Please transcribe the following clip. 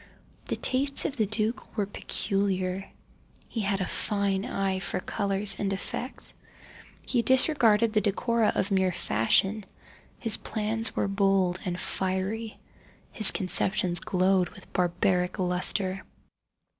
The tastes of the duke were peculiar. He had a fine eye for colours and effects. He disregarded the decora of mere fashion. His plans were bold and fiery, and his conceptions glowed with barbaric lustre.